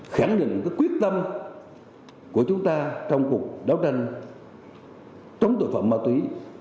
khẳng định quyết tâm của chúng ta trong cuộc đấu tranh chống tội phạm ma túy